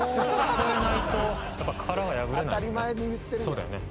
そうだよね。